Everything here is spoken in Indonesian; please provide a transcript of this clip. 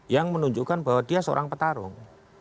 yang menunjukkan bahwa dia seorang petarung